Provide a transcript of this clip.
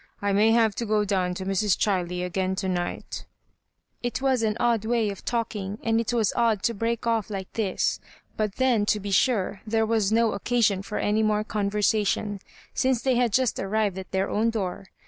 I may have to go down to Mrs. Chiley again to night" It was an odd way of talking, and it was odd to break off like this ; but then, to be sure, there was no occasion for any more conversation, since they had just arrived at their own door.